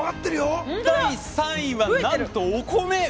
第３位は、なんとお米！